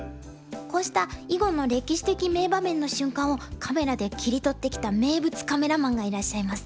こうした囲碁の歴史的名場面の瞬間をカメラで切り撮ってきた名物カメラマンがいらっしゃいます。